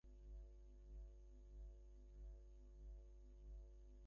নিসার আলি ঠিক করলেন, অমিতার সঙ্গে দেখা করবেন।